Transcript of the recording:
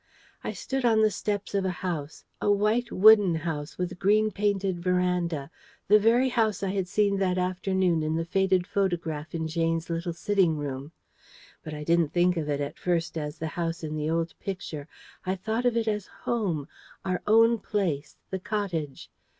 I stood on the steps of a house a white wooden house, with a green painted verandah the very house I had seen that afternoon in the faded photograph in Jane's little sitting room. But I didn't think of it at first as the house in the old picture: I thought of it as home our own place the cottage.